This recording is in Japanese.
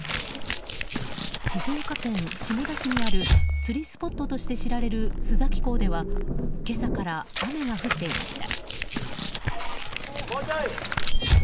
静岡県下田市にある釣りスポットとして知られる須崎港では今朝から雨が降っていました。